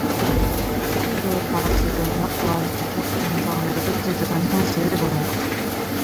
소리를 바락 지르며 부하를 시켜 당장 내쫓을 듯한 형세를 보인다.